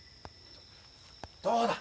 どうだ？